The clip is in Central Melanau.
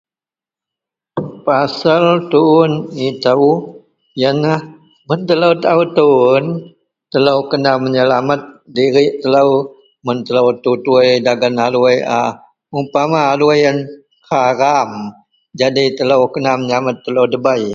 Pasel tuun ito iyenlah mun telo taau tuun telo kena menyelamet dirik telo mun telo tutui dagen aloi a, umpama aloi iyen karam jadi telo kena menyalanet telo debei.